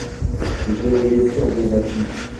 Je ne les y enverrai plus.